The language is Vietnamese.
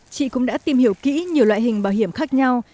chị cũng đã tìm hiểu kỹ nhiều loại hình bảo hiểm khác nhau